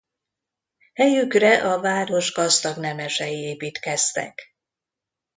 Helyükre a város gazdag nemesei építkeztek.